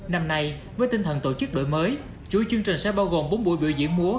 năm nay với tinh thần tổ chức đổi mới chuỗi chương trình sẽ bao gồm bốn buổi biểu diễn múa